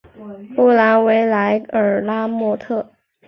布兰维莱尔拉莫特。